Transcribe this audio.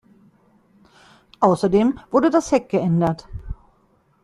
Außerdem wurde das Heck geändert.